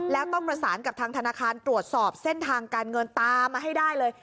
แล้วต้องประสานกับทางธนาคารตรวจสอบเส้นทางการเงินตามมาให้ได้เลย